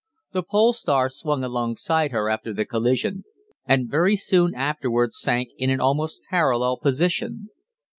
The 'Pole Star' swung alongside her after the collision, and very soon afterwards sank in an almost parallel position.